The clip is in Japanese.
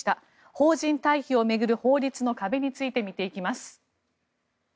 邦人退避を巡る法律の壁について見ていきます。